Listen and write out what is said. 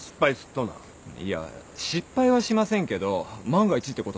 いや失敗はしませんけど万が一ってこともあるし。